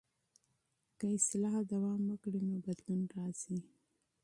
که اصلاح دوام وکړي نو بدلون راځي.